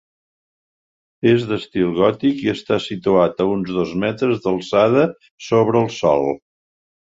És d'estil gòtic i està situat a uns dos metres d'alçada sobre el sòl.